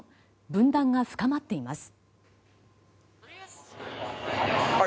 分断が深まっています。